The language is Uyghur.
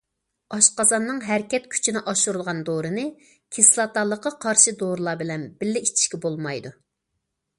ئاشقازاننىڭ ھەرىكەت كۈچىنى ئاشۇرىدىغان دورىنى كىسلاتالىققا قارشى دورىلار بىلەن بىللە ئىچىشكە بولمايدۇ.